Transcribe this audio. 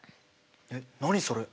えっ何それ？これ？